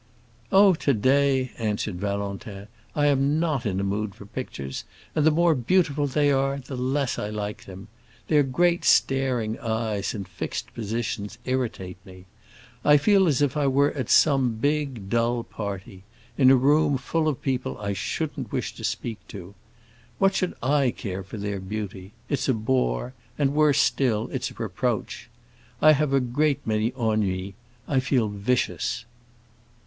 "Oh, to day," answered Valentin, "I am not in a mood for pictures, and the more beautiful they are the less I like them. Their great staring eyes and fixed positions irritate me. I feel as if I were at some big, dull party, in a room full of people I shouldn't wish to speak to. What should I care for their beauty? It's a bore, and, worse still, it's a reproach. I have a great many ennuis; I feel vicious."